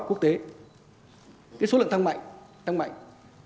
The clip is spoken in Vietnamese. báo khoa học quốc tế cái số lượng tăng mạnh tăng mạnh